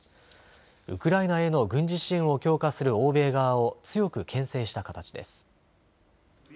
ウクライナへの軍事支援を強化する欧米側を強くけん制した形です。